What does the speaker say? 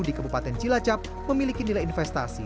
di kabupaten cilacap memiliki nilai investasi